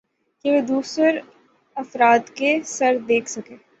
کہہ وہ دوسر افراد کے ثر دیکھ سکہ